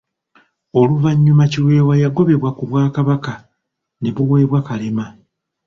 Oluvannyuma Kiweewa yagobebwa ku Bwakabaka ne buweebwa Kalema.